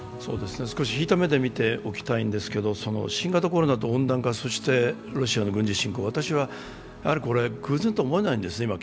少し引いた目で見ておきたいんですけど新型コロナと温暖化、そしてロシアの軍事侵攻、私はこれ偶然とは思えないんですね。